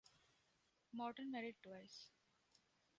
Morton married twice.